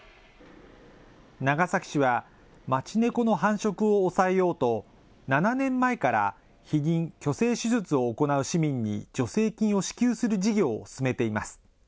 長崎市は、町ねこの繁殖を抑えようと、７年前から避妊・去勢手術を行う市民に助成金を支給する事業を進めています。